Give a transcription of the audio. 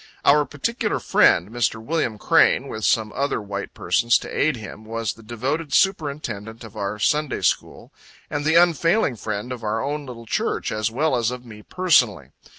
Our particular friend, Mr. William Crane, with some other white persons to aid him, was the devoted superintendent of our Sunday school, and the unfailing friend of our own little church, as well as of me personally.